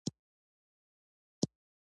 بدخشان د افغانستان د صنعت لپاره مواد برابروي.